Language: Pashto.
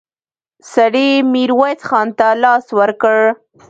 سړي ميرويس خان ته لاس ورکړ.